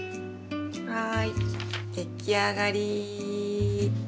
はい出来上がり！